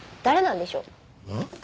ん？